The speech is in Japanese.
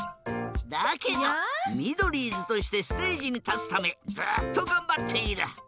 だけどミドリーズとしてステージにたつためずっとがんばっている。